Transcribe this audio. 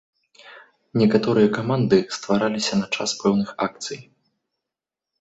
Некаторыя каманды ствараліся на час пэўных акцый.